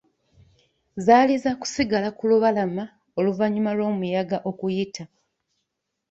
Zaali zaakusigala ku lubalama oluvannyuma lw'omuyaga okuyita.